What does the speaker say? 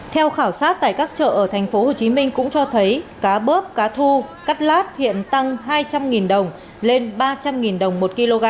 theo khảo sát tại các chợ ở tp hcm cũng cho thấy cá bớp cá thu cắt lát hiện tăng hai trăm linh đồng lên ba trăm linh đồng một kg